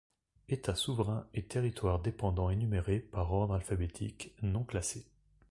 États souverains et territoires dépendants énumérés par ordre alphabétique, non classés.